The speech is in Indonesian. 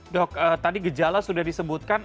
dok tadi gejala sudah disebutkan